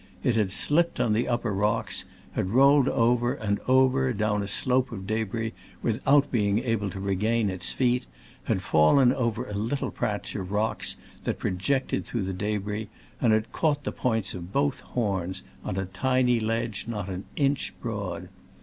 It had slipped on the upper rocks, had rolled over and over down a slope of d6bris without being able to regain its feet, had fallen over a little patch of rocks that projected through the debris, and had caught the points of both horns on a tiny ledge not an inch broad.